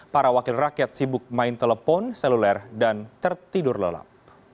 para wakil rakyat sibuk main telepon seluler dan tertidur lelap